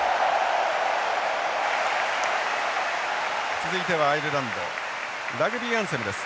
続いてはアイルランドラグビーアンセムです。